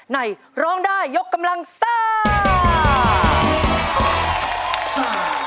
ร้องได้ยกกำลังซ่า